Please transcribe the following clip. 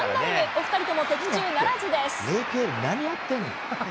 お２人とも的中ならずです。